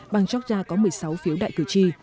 bang georgia có một mươi sáu phiếu đại cử tri